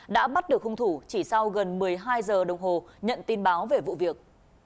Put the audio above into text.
đã bắt được hung thủ chỉ sau gần một mươi hai giờ đồng hồ nhận tin báo về vụ việc